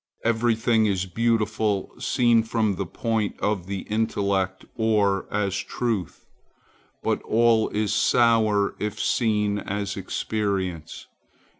Every thing is beautiful seen from the point of the intellect, or as truth. But all is sour, if seen as experience.